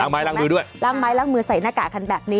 ไม้ล้างมือด้วยล้างไม้ล้างมือใส่หน้ากากกันแบบนี้